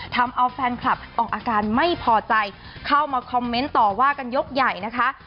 ทำเอาแฟนคลับออกอาการไม่พอใจเข้ามาคอมเมนต์ต่อว่ากันยกใหญ่นะคะ